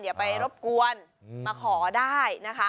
อย่าไปรบกวนมาขอได้นะคะ